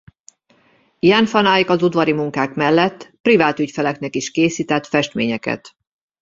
Jan van Eyck az udvari munkák mellett privát ügyfeleknek is készített festményeket.